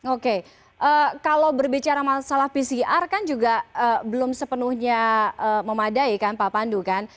oke kalau berbicara masalah pcr kan juga belum sepenuhnya memadai kan pak pandu kan